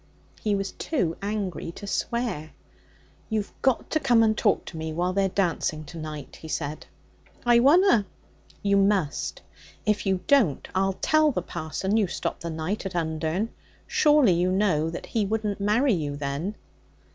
He was too angry to swear. 'You've got to come and talk to me while they're dancing to night,' he said. 'I wunna.' 'You must. If you don't, I'll tell the parson you stopped the night at Undern. Surely you know that he wouldn't marry you then?'